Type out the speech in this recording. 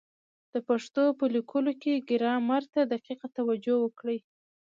د پښتو په لیکلو کي ګرامر ته دقیقه توجه وکړئ!